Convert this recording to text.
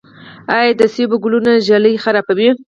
آیا د مڼو ګلونه ږلۍ خرابوي؟